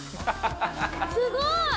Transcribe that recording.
すごい！